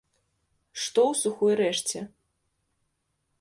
Што ў сухой рэшце?